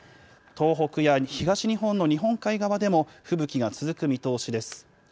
東北や東日本の日本海側でも吹雪が続く見通しです。